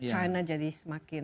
china jadi semakin